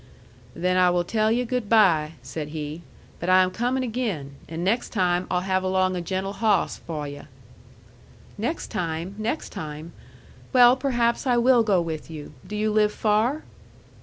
"Then I will tell yu' good by," said he. "But I am comin' again. And next time I'll have along a gentle hawss for yu'." "Next time! Next time! Well, perhaps I will go with you. Do you live far?"